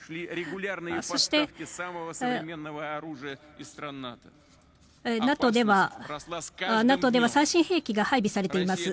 そして、ＮＡＴＯでは最新兵器が配備されています。